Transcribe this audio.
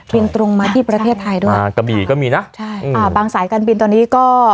บินตรงมาที่ประเทศไทยด้วยอ่ากระบี่ก็มีนะใช่อ่าบางสายการบินตอนนี้ก็